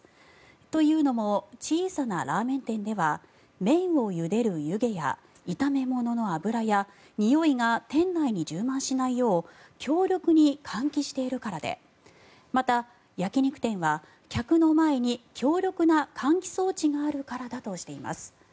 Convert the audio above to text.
というのも小さなラーメン店では麺をゆでる湯気や炒め物の油やにおいが店内に充満しないよう強力に換気しているからでまた、焼き肉店は客の前に強力な換気装置があるからだとしています。